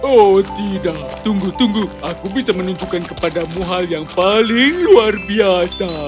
oh tidak tunggu tunggu aku bisa menunjukkan kepadamu hal yang paling luar biasa